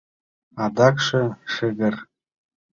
Адакше шыгыр.